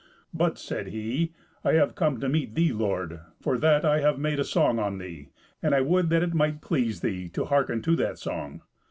"But," said he, "I have come to meet thee, lord, for that I have made a song on thee, and I would that it might please thee to hearken to that song."